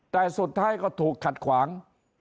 แต่สุดท้ายก็ถูกขัดขวาง